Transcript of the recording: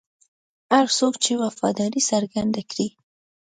هر څوک چې وفاداري څرګنده کړي.